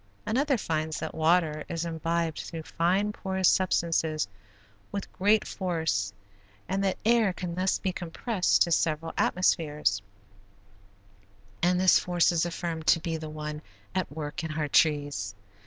Another finds that water is imbibed through fine porous substances with great force and that air can thus be compressed to several atmospheres, and this force is affirmed to be the one at work in our trees.